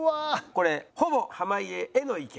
これほぼ濱家への意見です。